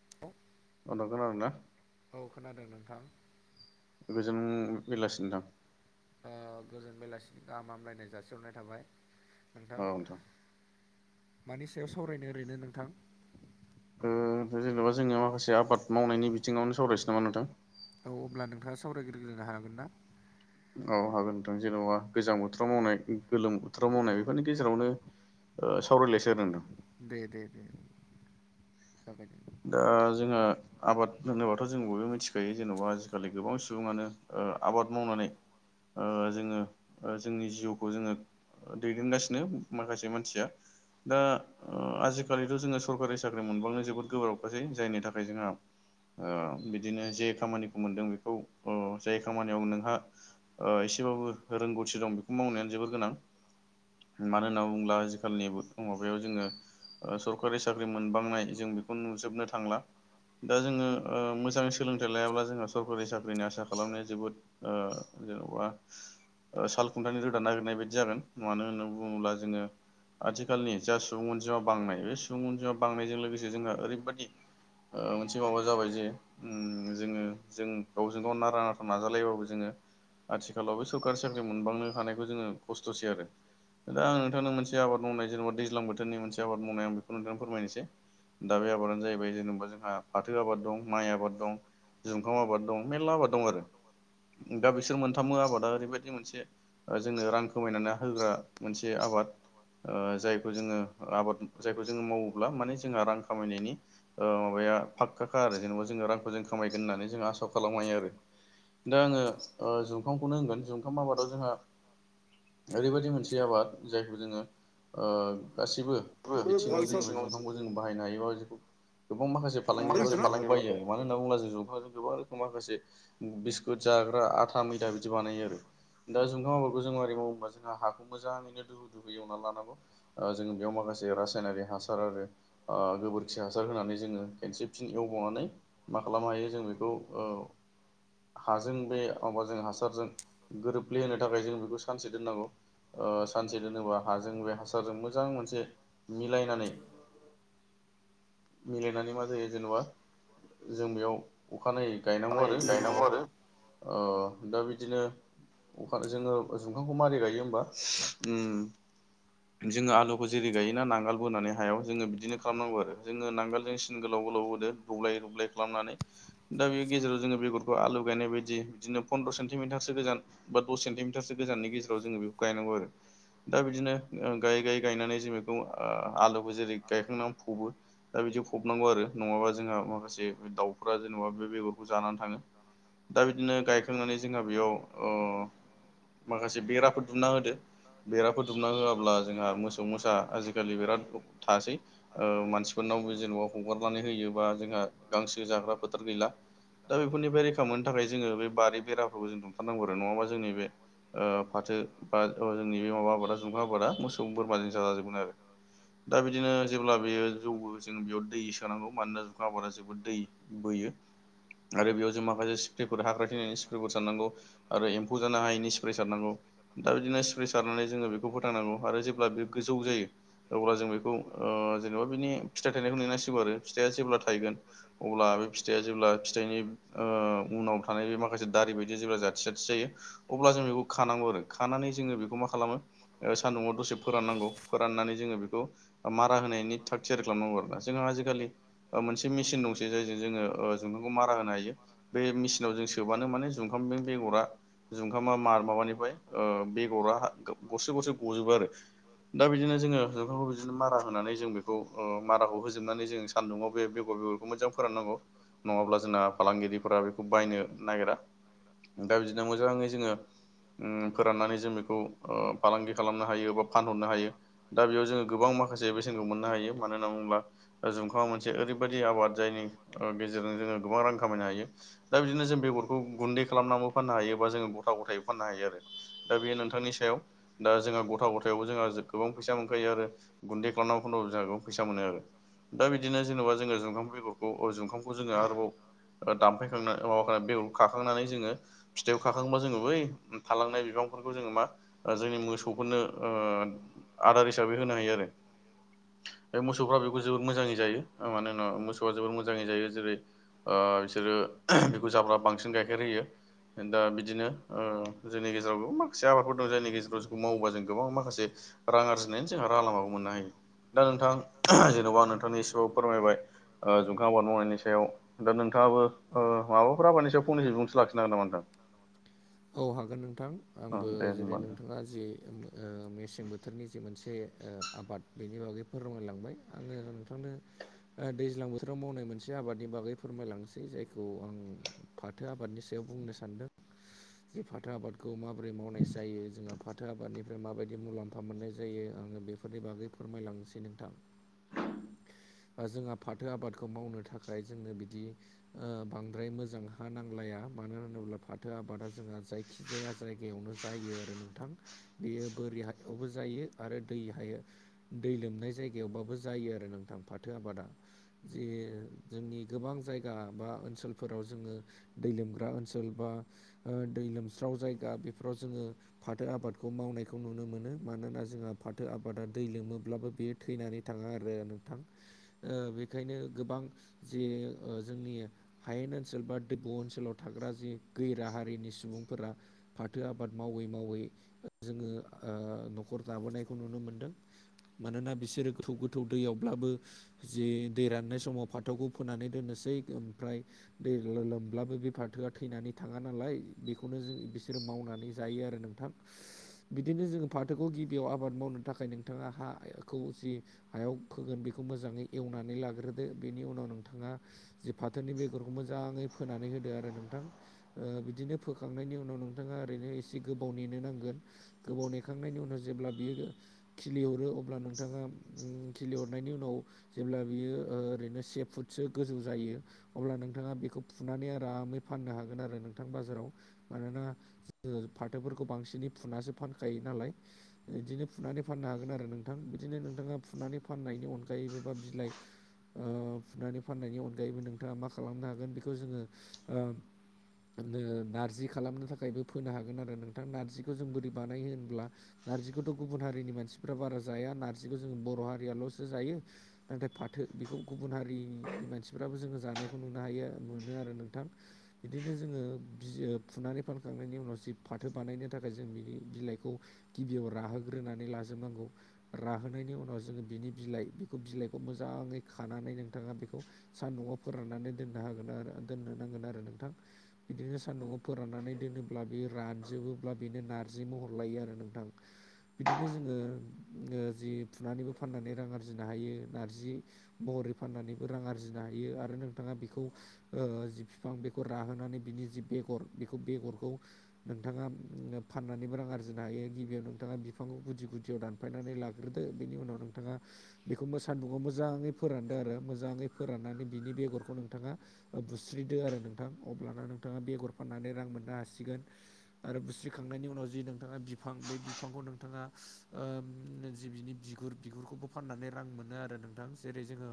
[unintelligible] उन्दुगोन आरो ना औ खोनादों नोंथां। गोजोन बेलासि नोंथां। ओ गोजोन बेलासिनि गाहाम हामलायनाय जासिहरनाय थाबाय। नोंथां मानि सायाव सावरायनो ओरैनो नोंथां? ओ जेनेबा जोंनियाव माखासे आबाद मावनायनि बिथिङावनो सावरायसै नामा नोंथां। औ अब्ला नोंथाङा सावरायग्रोनो हागोन ना? औ हागोन नोंथां जेन'बा गोजां बोथोराव मावनाय गोलोम बोथोराव मावनाय बेफोरनि गेजेरावनो ओ सावरायलायसै आरो नोंथां। दे दे दे जाबाय दे दा जोंहा आबाद होनोबाथ' जों बयबो मिथिखायो जेन'बा आजिखालि गोबां सुबुङानो ओ आबाद मावनानै ओ जोङो ओ जोंनि जिउखौ जोङो ओ दैदेनगासिनो माखासे मानसिया। दा ओ आजिखालिथ' जोङो सरकारि साख्रि मोनबांनो जोबोद गोब्राबखासै जायनि थाखाय जोंहा ओ बिदिनो जे खामानिखौ मोनदों बेखौ ओ जाय खामानियाव नोंहा ओ एसेबाबो रोंगौथि दं बेखौ मावनायानो जोबोर गोनां। मानो होनना बुङोब्ला आजिखालिनि माबायाव जोङो ओ सरकारि साख्रि मोनबांनाय जों बेखौ नुजोबनो थांला। दा जोङो ओ मोजां सोलोंथाइ लायाब्ला जोंहा सरकारि साख्रिनि आसा खालामनाया जोबोद ओ जेन'बा ओ साल खुन्थाइनि रोदान नागिरनाय बायदि जागोन मानो होननानै बुङोब्ला जोङो आथिखालनि जा सुबुं अनजिमा बांनाय बे सुबुं अनजिमा बांनायजों लोगोसे जोंहा ओरैबायदि ओ मोनसे माबा जाबाय जे उम जोङो जों गावजों गाव नारा नाथा नाजालायबाबो जोङो आथिखालावबो सोरकारि साख्रि मोनबांनो हानायखौ जोङो खस्थ'सै आरो। दा आं नोंथांनो मोनसे आबाद मावनाय जेनेबा दैज्लां बोथोरनि मोनसे आबाद मावनाय आं बेखौ नोंथांनो फोरमायनोसै। दा बे आबादानो जाहैबाय जेनेबा जोंहा फाथो आबाद दं माइ आबाद दं। जुमखाम आबाद दं मेरला आबाद दं आरो दा बिसोर मोनथामबो आबादा ओरैबायदि मोनसे ओ जोंनो रां खामायनानै होग्रा मोनसे आबाद। ओ जायखौ जोङो आबाद जायखौ जोङो मावोब्ला मानि जोंहा रां खामनायनि ओ माबाया फाख्खा खा आरो जेनेबा जोङो रांखौ जों खामायगोन होननानै जों आसा खालामनो हायो आरो दा आङो ओ जुमखामखौनो होनगोन जुमखाम आबादाव जोंहा ओरैबायदि मोनसे आबाद जायखौ जोङो ओ गासिबो बिथिङाव जोङो बे जुखामखौ जों बाहायनो हायोबा गोबां माखासे फालांगिरिफोरा जुखामखौ बायो आरो। मानो होनना बुङोब्ला जों जुमखामजों गोबां रोखोम माखासे बिस्कुट जाग्रा आथा मैदा बिदि बानायो आरो। दा जुखाम आबाखौ जों मारै मावो होमबा जोंहा हाखौ मोजाङैनो दुहु दुहु एवनानै लानांगौ। ओ जों बेयाव माखासे रासायनारि हासार आरो ओ गोबोरखि हासार होनानै जोङो खेनसे फिन एवबावनानै मा खालामनो हायो जों बेखौ ओ हाजों बे माबा जों हासारजों गोरोबले होनो थाखाय जों बेखौ सानसे दोननांगौ। ओ सानसे दोनोबा हाजों बे हासारजों मोजां मोनसे मिलायनानै मिलायनानै मा जायो जेनेबा जों बेयाव अखानायै गायनांगौ आरो बे माबाखौ ओ दा बिदिनो अखा जोङो जुखामखौ मारै गायो होमबा उम जोङो आलु खौ जेरै गायोना नांगाल बोनानै हायाव जोङो बिदिनो खालामनांगौ आरो जोङो नांगोलजों सिन गोलाव गोलाव होदो दब्लाय दब्लाय खालामनानै। दा बे गेजेराव जोङो बेगरखौ आलु गायनाय बायदि बिदिनो पन्द्र' सेन्टिमिटारसो गोजान बा दस सेन्टिमिटारसो गोजाननि गेजेराव जोङो बेखौ गायनांगौ आरो। दा बिदिनो ओ गायै गायै गायनानै जों बेखौ ओ आलुखौ जेरै गायखांना फबो। दा बिदि फबनांगौ आरो नङाबा जोंहा माखासे दाउफ्रा जेनेबा बे बेगरखौ जानानै थाङो। दा बिदिनो गायखांनानै जोंहा बेयाव ओ माखासे बेराफोर दुमना होदो बेराफोर दुमना होआब्ला जोंहा मोसौ मोसा आजिखालि बिराद थासै। ओ मानसिफोरनाव बो जेनेबा हगारनानै होयोबा जोंहा गांसो जाग्रा फोथार गैला। दा बेफोरनिफ्राय रैखा मोननो थाखाय जोङो बे बारि बेराफोरखौ जों दुमथारनांगौ आरो नङाबा जोंनि बे ओ फाथो बा अ जोंनि बे माबा आबादा जुखाम आबादा मोसौ बोरमा जों जाजाजोबगोन आरो। दा बिदिनो जेब्ला बेयो जौयो जों बेयाव दै सोनांगौ मानोना जुखाम आबादा जोबोद दै बोयो। आरो बेयाव जों माखासे स्प्रेफोर हाग्रा थैनायनि स्प्रे फोर सारनांगौ। आरो एम्फौ जानो हायैनि स्प्रे सारनांगौ। दा बिदिनो स्प्रे सारनानै जोङो बेखौ फोथांनांगौ आरो जेब्ला बे गोजौ जायो अब्ला जों बेखौ ओ जेनेबा बिनि फिथाइ थाइनायखौ नेनांसिगौ आरो। फिथाइआ जेब्ला थायगोन अब्ला बे फिथाइआ जेब्ला फिथाइनि ओ उनाव थानाय बे माखासे दारि बायदि जेब्ला जाथि जाथि जायो। अब्ला जों बेखौ खानांगौ आरो खानानै जोङो बेखौ मा खालामो। ओ सान्दुंआव दसे फोराननांगौ फोराननानै जोङो बेखौ मारा होनायनि थाग थियारि खालामनांगौ आरोना जोंहा आजिखालि ओ मोनसे मेसिन दंसै जायजों जोङो ओ जुमखांखौ मारा होनो हायो। बे मेचिनाव जों सोब्लानो माने जुखामजों बेगरा जुमखामा मार माबानिफ्राय ओ बे बेग'रा गरसे गरसे गजोबो आरो दा बिदिनो जोङो जुमखामखौ बिदिनो मारा होनानै जों बे खौ ओ माराखौ होजोबनानै जों सान्दुंङआव बे बेगर बेगरखौ मोजां फोराननांगौ नङाब्ला जोंना फालांगिरिफोरा बेखौ बायनो नागिरा। दा बिदिनो मोजाङै जोङो उम फोराननानै जों बेखौ ओ फालांगि खालामनो हायो बा फानहरनो हायो दा बेयाव जों गोबां माखासे बेसेनखौ मोननो हायो। मानो होनना बुङोब्ला जुंमखामा मोन से ओरैबायदि आबाद जायनि ओ गेजेरजों जोङो गोबां रां खामायनो हायो। दा बिदिनो जों बेगरखौ गुन्दै खालामनानैबो फाननो हायोबा जोंङ गथा गथायै फाननो हायो आरो दा बेयो नोंथांनि सायाव दा जोंहा गथ' गथायावबो जोंहा गोबां फैसा मोनखायो आरो। गुन्दै खालामनानै फानबाबो जोंहा फैसा मोनो। आरो दा बिदिनो जेन'बा जोङो जुखाम बेगर जुंखामखौ जोङो आरोबाव दामफायखां माब बेव खाखांनानै जोङो फिथाइयाव खाखांबा जोङो बै थालांनाय बिफांफोरखौ जोङो मा जोंनि मोसौफोरनो आदार हिसाबै होनो हायो। आरो बे मोसौफ्रा बेखौ जोोशबोर मोजाङै जायो मानो होना मोसौआ जोबोर मोजाङै जायो। जेरै ओ बिसोरो बेखौ जाब्ला बांसिन गाइखेर होयो। दा बिदिनो जोंनि गेजेरावबो मा- खायसे आबादफोर दं जायनि गेजेरजों जायखौ मावोबा जों गोबां माखासे रां आरजिनायनायनि जोंहा राहालामा मोननो हायो। दा नोंथां जेन'बा आं नोंथांनो एसेबाबो फोरमायबाय ओ जुंखाम आबाद मावनायनि सायाव दा नोंथाङाबो माबाफोर आबादनि सायाव फंनैसो बिबुंथि लाखिनो हागोन नामा नोंथां? औ हागोन नोंथां औ आंबो दे जेरै होनबा नोंथां। नोंथाङा जे मेसें बोथोरनि जे मोनसे आबाद बेनि बागै फोरमायलांबाय आङो नोंथांनो दैज्लां बोथोराव मावनाय मोनसे आबादनि बागै फोरमायलांनोसै। जायखौ आं फाथो आबादनि सायाव बुंनो सानदों। जे फाथो आबादखौ माबोरै मावनाय जायो जोंहा फाथो आबादनि फ्राय माबायदि मुलाम्फा मोननाय जायो। आङो बेफोरनि बागै फोरमायलांनोसै नोंथां। जोंहा फाथो आबादखौ मावनो थाखाय जोंनो बिदि बांद्राय मोजां हा नांलाया मानो होनोब्ला फाथो आबादा जोंहा जाय- खि जाया जायगायावनो जायो आरो नोंथां। बेयो बोरि हायावबो जायो आरो दै हायाव दै लोमनाय जायगायावबाबो जायो आरो नोंथां फाथो आबादा। जे जोंनि गोबां जायगा बा ओनसोलफोराव जोङो दै लोमग्रा ओनसोल बा दै लोमस्राव जायगा बेफोराव जोङो फाथो आबादखौ मावनायखौ नुनो मोनो। मानोना जोंहा फाथो आबादा दै लोमोब्लाबो बेयो थैनानै थाङा आरो नोंथां। बेखायनो गोबां जि जोंनि हायेन ओनसोल बा दैब ओनसोलाव थाग्रा जि गैरा हारिनि सुबुंफोरा फाथो आबाद मावै -मावै जोङो न'खर दाबोनायखौ नुनो मोनदों। मानोना बिसोरो गोथौ- गोथौ दैयावब्लाबो जि दै राननाय समाव फाथौखौ फोनानै दोननोसै ओमफ्राय दै लोमब्लाबो बे फाथोआ थैनानै थाङा नालाय बेखौनो जों बिसोरो मावनानै जायो आरो नों- नोंथां बिदिनो जोंङो फाथोखौ गिबियाव आबाद मावनो थाखाय नोंथाङा हाखौ जि हायाव फोगोन बेखौ मोजाङै एवनानै लाग्रोदो बेनि उनाव नोंथाङा जि फाथोनि बेगरखौ मोजाङै फोनानै होदो आरो नोंथां बिदिनो फोखांनायनि उनाव नोंथाङा ओरैनो एसे गोबाव नेनो नांगोन गोबाव नेखांनायनि उनाव जेब्ला बियो खिलिहरो अब्ला नोंथाङा खिलिहरनायनि उनाव उनाव जेब्ला बियो ओरैनो से फुटसो गोजौ जायो अब्ला नोंथाङा बेखौ फुनानै आरामै फाननो हागोन आरो नोंथां बाजाराव मानोना जोङो फाथोफोरखौ बांसिनै फुनासो फानखायो नालाय बिदिनो फुनानै फाननो हागोन आरो नोंथां बिदिनो नोंथाङा फुनानै फाननायनि अनगायै अनगायैबोबा बिलाइ फुनानै फाननायनि अनगायैबो नोंथाङा मा खालामनो हागोन बेखौ जोङो नारजि खालामनो थाखायबो फोनो हागोन आरो नोंथां नार्जिखौ जों बोरै बानायो होनब्ला नार्जिखौथ' गुबुन हारिनि मानसिफ्रा बारा जाया नार्जिखौ जों बर' हारियाल'सो जायो। नाथाय फाथो बेखौ गुबुन हारिनि मानसिफ्राबो जोङो जानायखौ नुनो हायो मोनो आरो नोंथां बिदिनो जोङो फुनानै फानखांनायनि उनाव जि फाथो बानायनो थाखाय जों बिनि बिलाइखौ गिबियाव राहोग्रोनानै लाजोबनांगौ राहोनायनि उनाव जोङो बिनि बिलाइ बिलाइखौ मोजाङै खानानै नोंथाङा बेखौ सानदुंआव फोराननानै दोननो हागोन आरो दोननो नांगोन आरो नोंथां बिदिनो सान्दुंआव फोराननानै दोनोब्ला बे रानजोबोब्ला बेनो नारजि महर लायो आरो नोंथां बिदिनो जोङो जि फुनानैबो फाननानै रां आरजि आरजिनो हायो नारजि महरै फाननानैबो रां आरजिनो हायो आरो नोंथाङा बेखौ जि बिफां बेखौ राहोनानै बिनि जि बेगर बेखौ बेगरखौ नोंथाङा फाननानैबो रां आरजिनो हायो गिबियाव नोंथाङा बिफांखौ गुदि गुदियाव दान फायनानै लाग्रोदो बेनि उनाव नोंथाङा बेखौबो सानदुंङआव मोजाङै फोरानदो आरो मोजाङै फोराननानै बिनि बेगरखौ नोंथाङा बुस्रिदो आरो नोंथां अब्लाना नोंथाङा बेगर फाननानै रां मोननो हासिगोन आरो बुस्रिखांनायनि उनाव जि नोंथाङा बिफां बे बिफांखौ नोंथाङा ओ जि बिनि बिगुर बिगुरखौबो फाननानै रां मोनो आरो नोंथां जेरै जोङो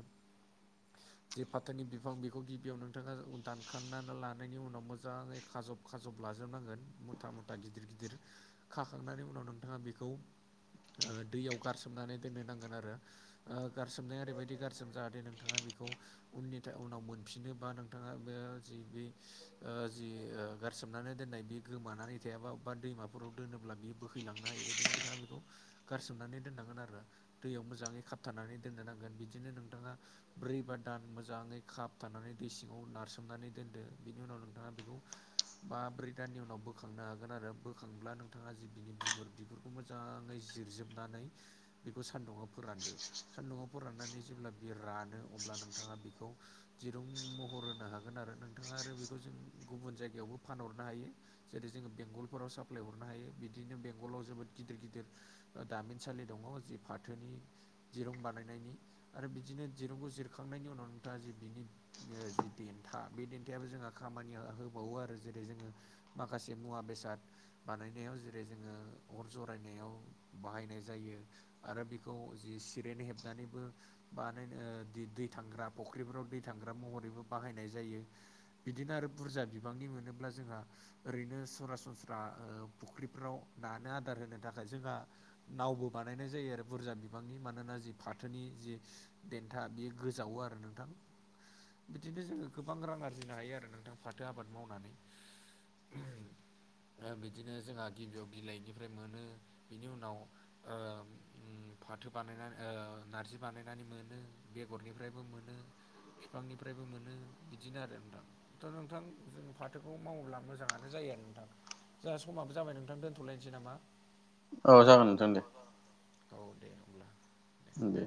[inaudible] जे फाथोनि बिफां बेखौ गिबियाव नोंथाङा दानखांनानै लानायनि उनाव मोजाङै खाजब खखाजबलाजोबनांगोन मुथा मथा गिदिर गिदिर खाखांनायनि उनाव नोंथाङा बेखौ दैयाव गारसोमनानै दोननो नांगोन आरो गारसोमनाया ओरैबायदि गारसोम जाहाथे नोंथाङा बेखौ उननि उनाव मोनफिनोबा नोंथाङा बे जि बे जि गारसोमनानै दोननाय बे गोमानानै थायाबा अबा दैमाफोराव दोनोब्ला बियो बोखैलांनो हायोबायदि नोंथाङा बेखौ गारसोमनानै दोननांगोन आरो दैयाव मोजाङै खाबथानानै दोननो नांगोन बिदिनो नोंथाङा ब्रै बा दान मोजाङै खप थानानै दै सिङाव नारसोमनानै दोनदो बिनि उनाव नोंथाङा बेखौ बा ब्रै दाननि उनाव बोखांनो हागोन आरो बोखांब्ला नोंथाङा जिबिनि बिगुर बिगुर बे खौ मोजाङै जिरजोबनानै बेखौ सान्दुंङआव फोरानदो न'आवफोर राननानै जेब्ला बि रानो अब्ला नोंथाङा बेखौ दिरुं महर होनो हागोन आरो नोंथाङा आरो बेखौ जों गुबुन जायगायावबो फानहरनो हायो जेरै जोङो बेंगलफोराव साप्लाय हरनो हायो बिदिनो बेंगलाव जोबोद गिदिर गिदिर दामिनसालि दङ जि फाथोनि दिरुं बानायनायनि आरो बिदिनो दिरुंखौ जिरखांनायनि उनाव नोंथाङा जि बिनि जि देन्था बे देन्थायाबो जोंहा खामानि होबावो आरो जेरै जोङो माखासे मुवा बेसाद बानायनायाव जेरै जोङो अर जरायनायाव बाहायनाय जायो आरो बेखौ जि सिरिन हेबनानैबो बानायो दै थांग्रा फुख्रिफोराव दै थांग्रा महरैबो बाहायनाय जायो बिदिनो आरो बुरजा बिबांनि मोनोब्ला जोंहा ओरैनो सरासनस्रा फुख्रिफ्राव दानो आदार होनो थाखाय जोंहा नावबो बानायनाय जायो आरो बुरजा बिफांनि मान मानोना जि फाथोनि जि देन्था बेयो गोजावो आरो नोंथां बिदिनो जोङो गोबां रां आरजिनो हायो। आरो नोंथां फाथो आबाद मावनानै बिदिनो जोंहा गिबियाव बिलाइनिफ्राय मोनो बिनि उनाव फाथो बानायनानै नार्जि बानायनानै मोनो बेगरनिफ्रायबो मोनो बिफांनिफ्रायबो मोनो बिदिनो आरो नोंथां द' नोंथां जों फाथोखौ मावोब्ला मोजाङानो जायो आरो नोंथां जों समाबो जाबाय नोंथां दोन्थ'लायनोसै नामा औ जागोन नोंथां दे। औ दे होनब्ला। आे।